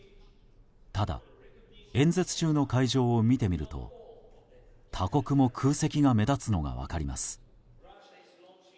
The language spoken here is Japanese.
ただ、演説中の会場を見てみると他国も空席が目立つのが分かります。